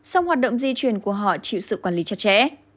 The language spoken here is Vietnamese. song hoạt động di chuyển của họ chịu sự quản lý chặt chẽ